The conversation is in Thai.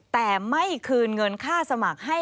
แต่ไม่คืนเงินค่าสมัครให้